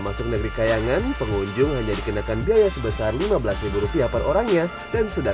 masuk negeri kayangan pengunjung hanya dikenakan biaya sebesar lima belas rupiah per orangnya dan sudah